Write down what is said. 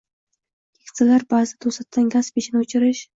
Keksalar ba’zida to‘satdan gaz pechini o‘chirish